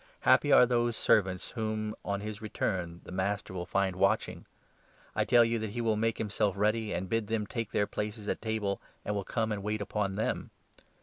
Happy are those servants whom, 37 on his return, the Master will find watching. I tell you that he will make himself ready, and bid them take their places at table, and will come and wait upon them.